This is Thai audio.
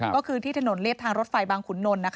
ก็คือที่ถนนเรียบทางรถไฟบางขุนนล